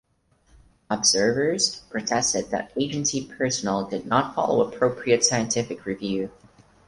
Observers protested that agency personnel did not follow appropriate scientific review.